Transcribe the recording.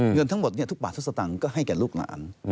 เงินทั้งหมดทุกบาททุกสตางค์ก็ให้แก่ลูกหลาน